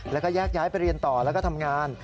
แล้วก็แยกย้ายไปเรียนต่อแล้วก็ทำงาน